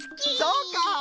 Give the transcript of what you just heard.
そうか。